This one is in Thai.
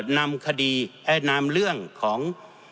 นำคดีนำเรื่องของ